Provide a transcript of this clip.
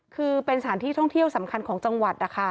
คือเป็นสถานที่ท่องเที่ยวสำคัญของจังหวัดนะคะ